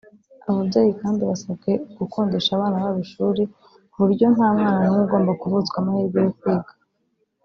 Ababyeyi kandi basabwe gukundisha abana babo ishuri ku buryo nta mwana n’umwe ugomba kuvutswa amahirwe yo kwiga